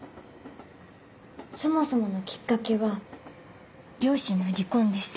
そもそものきっかけは両親の離婚です。